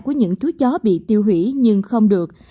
của những chú chó bị tiêu hủy nhưng không được